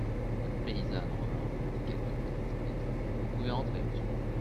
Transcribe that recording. La paysanne revint au bout de quelques minutes et dit : Vous pouvez entrer, monsieur.